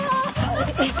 えっ！？